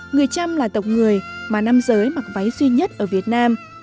người trăm là tộc người mà nam giới mặc váy duy nhất ở việt nam